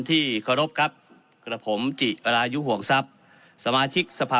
ที่ครับครับกระผมจิรายุห่วงซัพสมาชิกสถาน